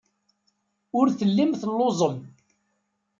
Ur tellim telluẓem.